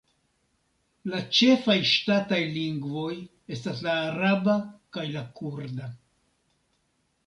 La ĉefaj ŝtataj lingvoj estas la araba kaj la kurda.